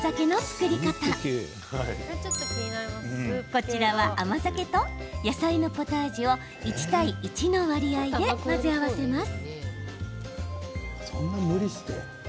こちらは甘酒と野菜のポタージュを１対１の割合で混ぜ合わせます。